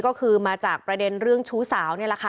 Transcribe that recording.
ก็คือมาจากประเด็นเรื่องชู้สาว